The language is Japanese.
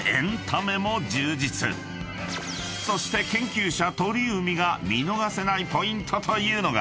［そして研究者鳥海が見逃せないポイントというのが］